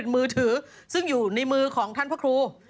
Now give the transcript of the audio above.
มือถือซึ่งอยู่ในมือของท่านพระครู